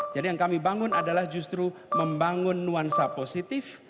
jadi yang kami bangun adalah justru membangun nuansa positif